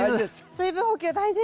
水分補給大事！